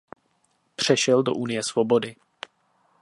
Přešel do Unie svobody.